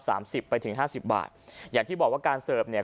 สิบไปถึงห้าสิบบาทอย่างที่บอกว่าการเสิร์ฟเนี่ย